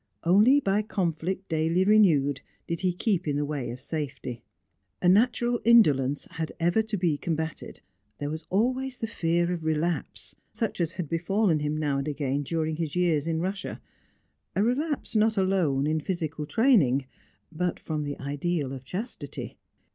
Only by conflict daily renewed did he keep in the way of safety; a natural indolence had ever to be combated; there was always the fear of relapse, such as had befallen him now and again during his years in Russia; a relapse not alone in physical training, but from the ideal of chastity.